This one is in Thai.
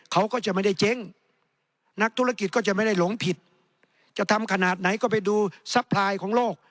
เขาก็จะไม่ได้เจ๊งนักธุรกิจก็จะไม่ได้หลงผิดจะทำขนาดไหนก็ไปดูซัพพลายของโลก